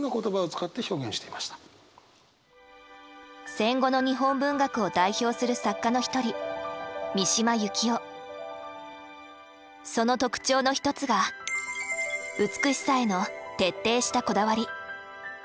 戦後の日本文学を代表する作家の一人その特徴の一つが美しさへの徹底したこだわり。